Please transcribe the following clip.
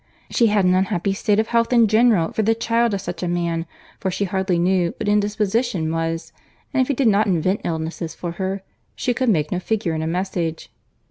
She had an unhappy state of health in general for the child of such a man, for she hardly knew what indisposition was; and if he did not invent illnesses for her, she could make no figure in a message.